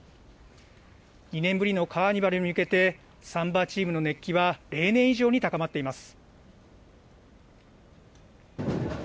２年ぶりのカーニバルに向けて、サンバチームの熱気は例年以上に高まっています。